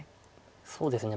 そうですね。